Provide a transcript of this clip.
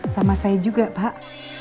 sama saya juga pak